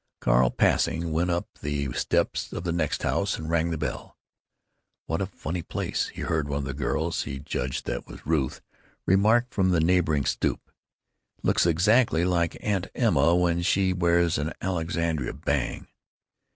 Carl, passing, went up the steps of the next house and rang the bell. "What a funny place!" he heard one of the girls—he judged that it was Ruth—remark from the neighboring stoop. "It looks exactly like Aunt Emma when she wears an Alexandra bang.